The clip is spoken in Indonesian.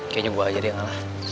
kayaknya gue aja dia yang alah